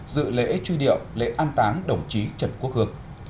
dự lễ truy điệu lễ an táng đồng chí trần quốc hương